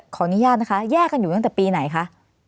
ขออนุญาตนะคะแยกกันอยู่ตั้งแต่ปีไหนคะ